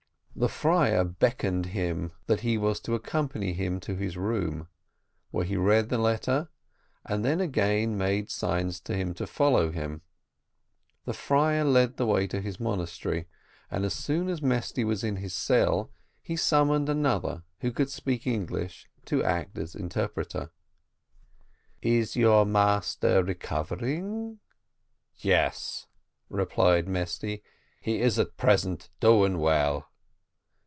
The friar beckoned him that he was to accompany him to his room, where he read the letter, and then again made signs to him to follow him. The friar led the way to his monastery, and as soon as Mesty was in his cell, he summoned another who could speak English to act as interpreter. "Is your master recovering?" "Yes," replied Mesty, "he is at present doing well."